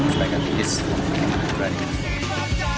jadi mereka sudah siap